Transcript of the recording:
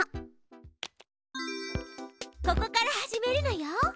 ここから始めるのよ。